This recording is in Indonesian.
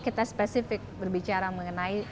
kita spesifik berbicara mengenai